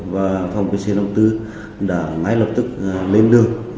và phòng pc năm mươi bốn đã ngay lập tức lên đường